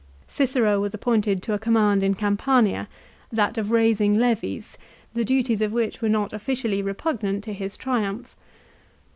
Cicero was appointed to a command in Campania, that of raising levies, the duties of which were not officially repugnant to his Triumph.